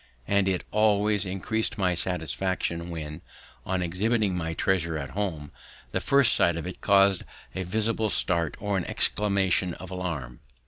And it always increased my satisfaction when, on exhibiting my treasure at home, the first sight of it caused a visible start or an exclamation of alarm.